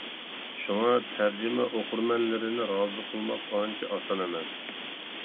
شۇڭا، تەرجىمە ئوقۇرمەنلىرىنى رازى قىلماق ئانچە ئاسان ئەمەس.